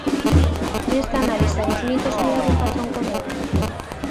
Nesta análise dos mitos, hai algún patrón común?